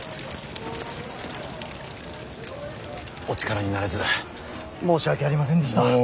お力になれず申し訳ありませんでした。